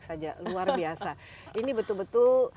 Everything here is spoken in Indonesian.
saja luar biasa ini betul betul